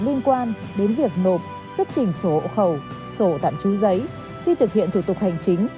các cơ quan đến việc nộp xuất trình sổ hộ khẩu sổ tạm chú giấy khi thực hiện thủ tục hành chính